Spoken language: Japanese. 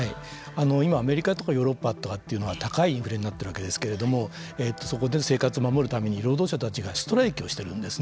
今、アメリカとかヨーロッパとかというのは高いインフレになってるわけですけれどもそこで生活を守るために労働者たちがストライキをしているんですね。